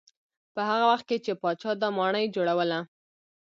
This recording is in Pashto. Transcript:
په هغه وخت کې چې پاچا دا ماڼۍ جوړوله.